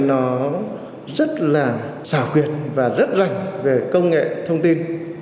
nó rất là xảo quyệt và rất rảnh về công nghệ thông tin